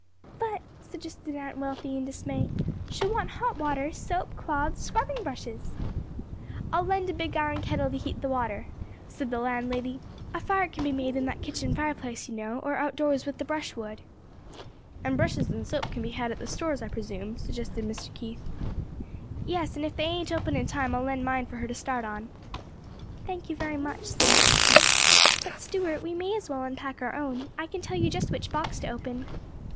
"But," suggested Aunt Wealthy in dismay, "she'll want hot water, soap, cloths, scrubbing brushes!" "I'll lend a big iron kettle to heat the water," said the landlady; "a fire can be made in that kitchen fireplace, you know, or out doors, with the brush wood." "And brushes and soap can be had at the stores, I presume," suggested Mr. Keith. "Yes; and if they ain't open in time, I'll lend mine for her to start on." "Thank you very much," said Mrs. Keith. "But, Stuart, we may as well unpack our own; I can tell you just which box to open."